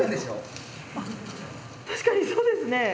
確かにそうですね。